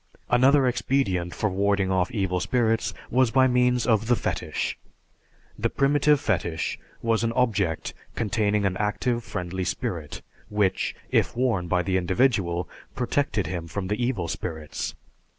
Another expedient for warding off evil spirits was by means of the fetish. The primitive fetish was an object containing an active friendly spirit, which, if worn by the individual, protected him from the evil spirits.